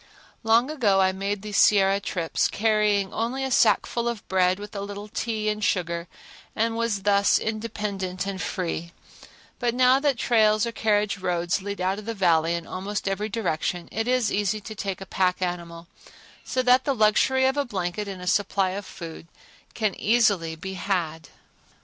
Long ago I made these Sierra trips, carrying only a sackful of bread with a little tea and sugar and was thus independent and free, but now that trails or carriage roads lead out of the Valley in almost every direction it is easy to take a pack animal, so that the luxury of a blanket and a supply of food can easily be had.